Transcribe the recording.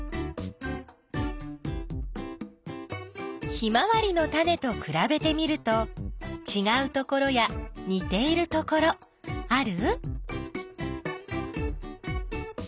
ヒマワリのタネとくらべてみるとちがうところやにているところある？